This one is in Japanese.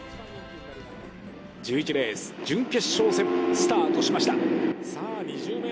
１１レース準決勝戦スタートしました。